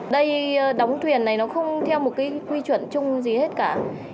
đây đóng thuyền này nó không theo một quy chuẩn chung gì hết cả